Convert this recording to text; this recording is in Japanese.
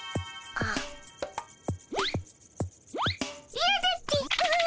いやだっピィ。